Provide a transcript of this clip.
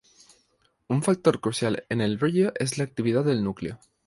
Un factor crucial en el brillo es la actividad del núcleo.